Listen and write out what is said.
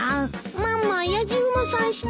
ママやじ馬さんしてるですか？